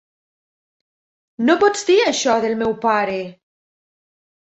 No pots dir això del meu pare!